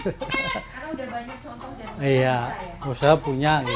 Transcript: karena udah banyak contoh yang punya usaha ya